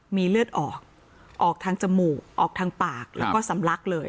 มีเลือดออกออกทางจมูกออกทางปากแล้วก็สำลักเลย